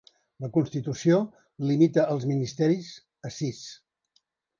La Constitució limita els ministeris a sis.